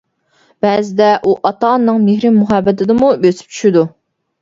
بەزىدە ئۇ ئاتا-ئانىنىڭ مېھرى-مۇھەببىتىنىمۇ بۆسۈپ چۈشىدۇ.